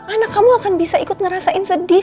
anak kamu akan bisa ikut ngerasain sedih